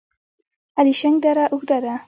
الیشنګ دره اوږده ده؟